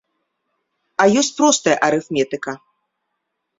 А ёсць простая арыфметыка.